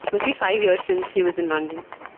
It must be five years since he was in London.